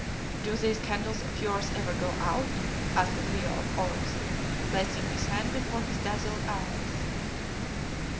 "Do these candles of yours ever go out?" asked Leo of Oros, placing his hand before his dazzled eyes.